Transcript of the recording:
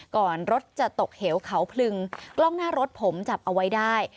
ก่อนรถจะตกเหวเขาพลึงกล้องหน้ารถผมจับเอาไว้ได้